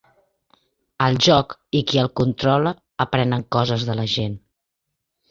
El joc, i qui el controla, aprenen coses de la gent.